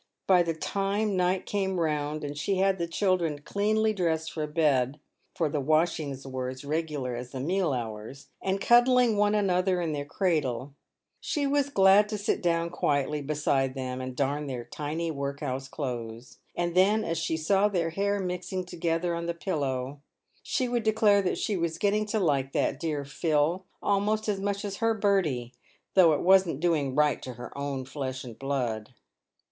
By the time night came round and she had the children cleanly dressed for bed — for the washings were as regular as the meal hours — and cuddling one another in their cradle, she was glad to sit down quietly beside them, and darn their tiny workhouse clothes ; and then, as she saw their hair mixing together on the pillow, she would declare that she was getting to like that dear Phil almost as much as her Bertie, though it wasn't doing right to her own flesh and blood.